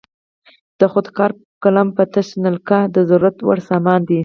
د خود کار قلم یوه تشه نلکه د ضرورت وړ سامان دی.